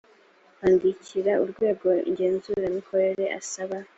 kwandikira urwego ngenzuramikorere asaba